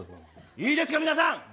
いいですか皆さん。